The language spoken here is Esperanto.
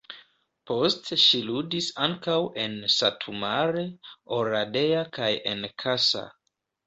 Poste ŝi ludis ankaŭ en Satu Mare, Oradea kaj en Kassa.